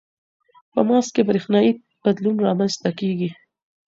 په مغز کې برېښنايي بدلون رامنځته کېږي.